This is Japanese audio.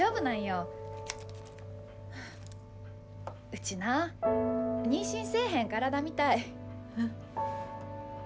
うちな妊娠せえへん体みたい。え。